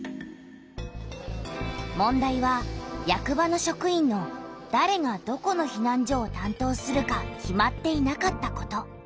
問題は役場の職員のだれがどこのひなん所をたんとうするか決まっていなかったこと。